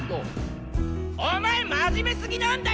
お前真面目すぎなんだよ。